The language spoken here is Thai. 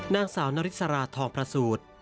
นางสาวนริสราทองประสูจน์